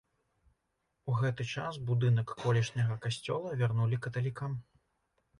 У гэты час будынак колішняга касцёла вярнулі каталікам.